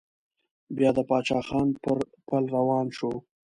بيا د پاچا خان پر پل روان شو.